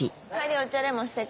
お茶でもしてく？